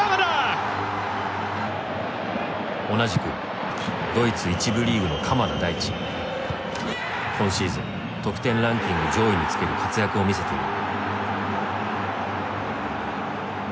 同じくドイツ１部リーグの今シーズン得点ランキング上位につける活躍を見せている。